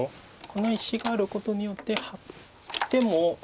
この石があることによってハッても。